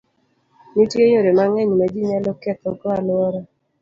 Nitie yore mang'eny ma ji nyalo ketho go alwora.